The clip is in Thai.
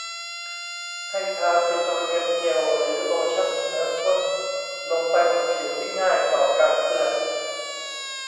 ให้ทาปิโตรเลียมเจลหรือโลชั่นเนื้อข้นลงไปบนผิวที่ง่ายต่อการเปื้อน